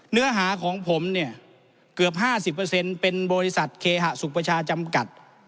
เนื้อหาของผมเนี่ยเกือบ๕๐เป็นบริษัทเคหสุขประชาจำกัด